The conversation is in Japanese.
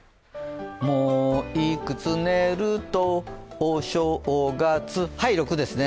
もういくつ寝るとお正月はい、６ですね。